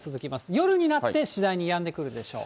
夜になって次第にやんでくるでしょう。